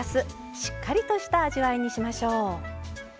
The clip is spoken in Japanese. しっかりとした味わいにしましょう。